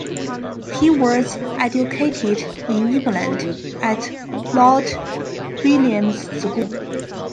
He was educated in England at Lord Williams's School.